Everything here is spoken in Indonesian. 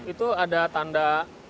itu ada tanda